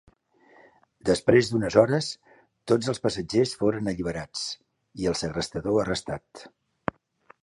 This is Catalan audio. Després d'unes hores, tots els passatgers foren alliberats i el segrestador arrestat.